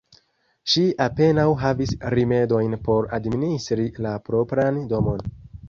Ŝi apenaŭ havis rimedojn por administri la propran domon.